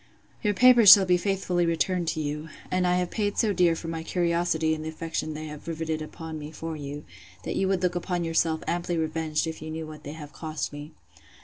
'Your papers shall be faithfully returned you; and I have paid so dear for my curiosity in the affection they have rivetted upon me for you, that you would look upon yourself amply revenged if you knew what they have cost me.